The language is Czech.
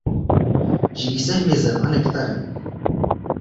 Živí se hmyzem a nektarem.